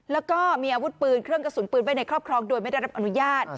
แล้วก็มีอาวุธปืนเครื่องกระสุนปืนไว้ในครอบครองโดยไม่ได้รับอนุญาต